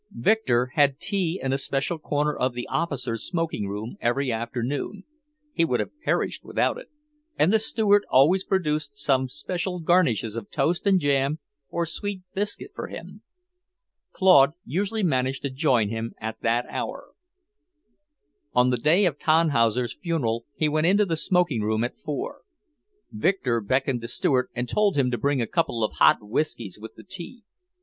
Victor had tea in a special corner of the officers' smoking room every afternoon he would have perished without it and the steward always produced some special garnishes of toast and jam or sweet biscuit for him. Claude usually managed to join him at that hour. On the day of Tannhauser's funeral he went into the smoking room at four. Victor beckoned the steward and told him to bring a couple of hot whiskeys with the tea.